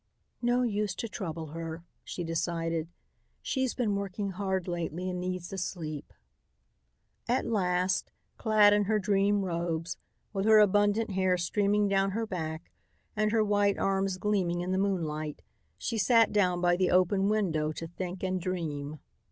"No use to trouble her," she decided. "She's been working hard lately and needs the sleep." At last, clad in her dream robes, with her abundant hair streaming down her back and her white arms gleaming in the moonlight, she sat down by the open window to think and dream.